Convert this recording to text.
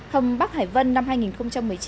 hầm bắc hải vân năm hai nghìn một mươi chín